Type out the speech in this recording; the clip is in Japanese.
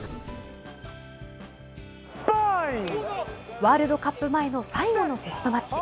ワールドカップ前の最後のテストマッチ。